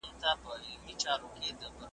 ښکلې لکه ښاخ د شګوفې پر مځکه ګرځي .